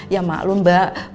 ya maklum mbak